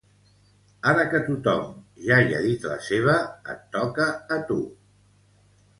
Ara que tothom ja hi ha dit la seva, et toca a tu.